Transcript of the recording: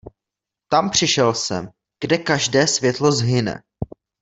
Tam přišel jsem, kde každé světlo zhyne.